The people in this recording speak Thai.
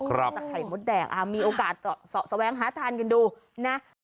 จากไข่มดแดงมีโอกาสสวังหาทานกันดูนะ